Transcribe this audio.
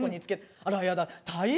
あらやだ、大変！